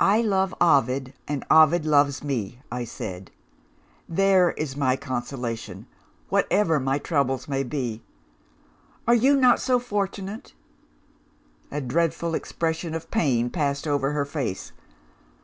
"'I love Ovid, and Ovid loves me,' I said. 'There is my consolation, whatever my troubles may be. Are you not so fortunate?' A dreadful expression of pain passed over her face.